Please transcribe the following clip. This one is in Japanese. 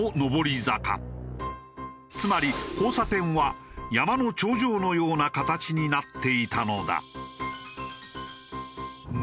つまり交差点は山の頂上のような形になっていたのだ。